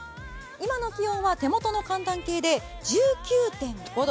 今の気温は手元の寒暖計で１９．５度。